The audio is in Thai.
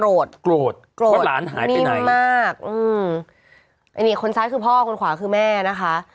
อ้ออนี่คนซ้ายคือพ่อคนขวาคือแม่นะคะ